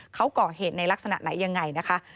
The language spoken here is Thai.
เขาก่อเหตุในลักษณะไหนยังไงนะคะ